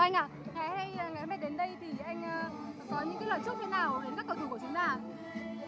ngày hôm nay đến đây thì anh có những lời chúc thế nào